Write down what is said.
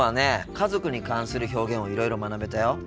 家族に関する表現をいろいろ学べたよ。